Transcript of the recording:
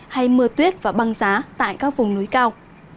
hay mưa tuyết và băng giá tại các vùng núi cao